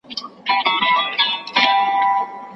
زما د پنځو ورځو پسرلي ته سترګي مه نیسه